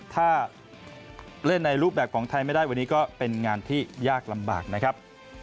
ถ้าเล่นในรูปแบบของไทยไม่ได้วันนี้ก็เป็นงานที่ยากลำบากนะครับ